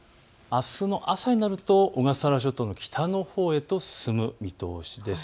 あすの朝になると小笠原諸島の北のほうへと進む見通しです。